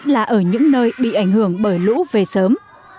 là ở những nơi bị ảnh hưởng bởi lũ về sớm